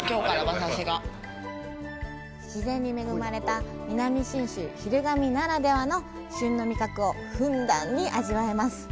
自然に恵まれた南信州・昼神ならではの旬の味覚をふんだんに味わえます。